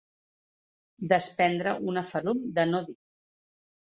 Desprendre una ferum de no dir.